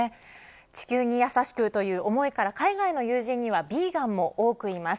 地球に優しくという思いから海外の友人にはビーガンも多くいます。